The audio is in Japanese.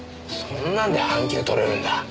そんなんで半休取れるんだ。